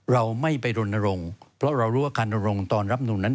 เราไม่ไปรณรงค์เพราะเรารู้ว่าการรณรงค์ตอนรับนูลนั้น